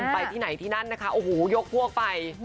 ไปที่ไหนที่นั่นนะคะโอ้โหยกพวกไป